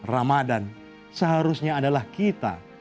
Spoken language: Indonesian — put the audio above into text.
ramadhan seharusnya adalah kita